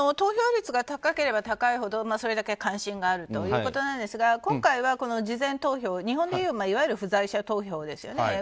投票率が高ければ高いほどそれだけ関心があるということなんですが今回は事前投票、日本でいういわゆる不在者投票ですよね。